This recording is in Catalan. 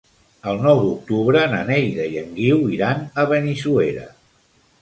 El nou d'octubre na Neida i en Guiu iran a Benissuera.